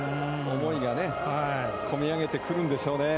思いがこみ上げてくるんでしょうね。